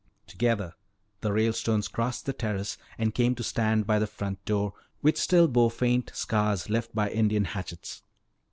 Together the Ralestones crossed the terrace and came to stand by the front door which still bore faint scars left by Indian hatchets.